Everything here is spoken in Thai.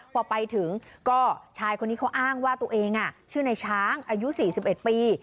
พอไปถึงก็ชายคนนี้เขาอ้างว่าตัวเองอ่ะชื่อในช้างอายุสี่สิบเอ็ดปี